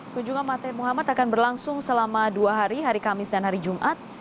kunjungan mate muhammad akan berlangsung selama dua hari hari kamis dan hari jumat